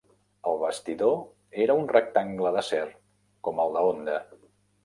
El bastidor era un rectangle d"acer com el de Honda.